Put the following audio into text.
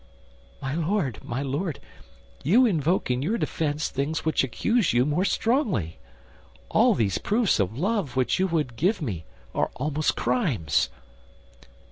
"My Lord, my Lord, you invoke in your defense things which accuse you more strongly. All these proofs of love which you would give me are almost crimes."